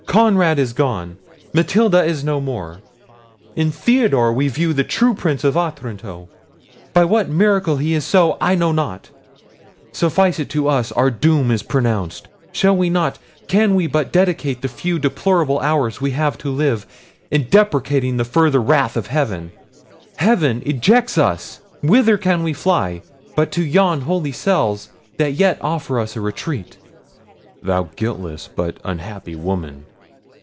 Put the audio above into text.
Conrad is gone! Matilda is no more! In Theodore we view the true Prince of Otranto. By what miracle he is so I know not—suffice it to us, our doom is pronounced! shall we not, can we but dedicate the few deplorable hours we have to live, in deprecating the further wrath of heaven? heaven ejects us—whither can we fly, but to yon holy cells that yet offer us a retreat." "Thou guiltless but unhappy woman!